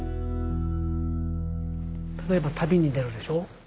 例えば旅に出るでしょう？